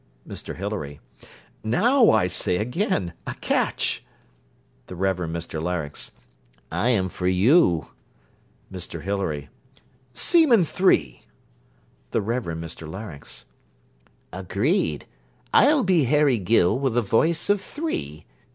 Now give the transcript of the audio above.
MR HILARY Now, I say again, a catch. THE REVEREND MR LARYNX I am for you. ME HILARY 'Seamen three.' THE REVEREND MR LARYNX Agreed. I'll be Harry Gill, with the voice of three.